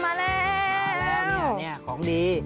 มาแล้วเนี่ยของดี